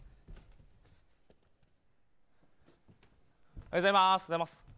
おはようございます。